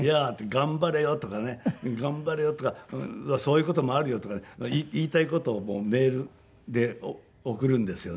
「頑張れよ」とかね「頑張れよ」とか「そういう事もあるよ」とかね言いたい事をメールで送るんですよね。